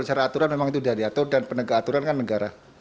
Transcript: secara aturan memang itu sudah diatur dan penegak aturan kan negara